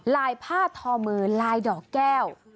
ลายผ้าทอมือลายดอกแก้ว